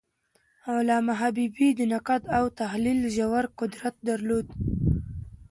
علامه حبیبي د نقد او تحلیل ژور قدرت درلود.